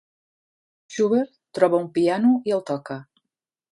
Schubert troba un piano i el toca.